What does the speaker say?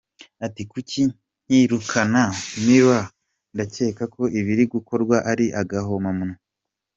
Ati “Kuki ntirukana Mueller? Ndakeka ko ibiri gukorwa ari agahomamunwa.